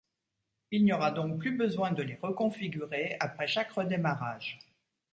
Il n'y aura donc plus besoin de les reconfigurer après chaque redémarrage.